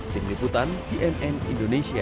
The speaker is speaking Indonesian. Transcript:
tim liputan cnn indonesia